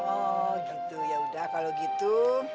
oh gitu yaudah kalau gitu